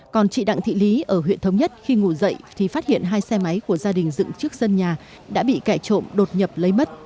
còn chị đặng thị lý ở huyện thống nhất khi ngủ dậy thì phát hiện hai xe máy của gia đình dựng trước sân nhà đã bị kẻ trộm đột nhập lấy mất